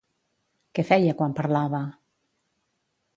Què feia quan parlava?